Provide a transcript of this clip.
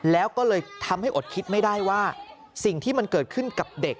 แล้วก็เลยทำให้อดคิดไม่ได้ว่าสิ่งที่มันเกิดขึ้นกับเด็ก